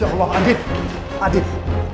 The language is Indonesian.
ya allah andin andin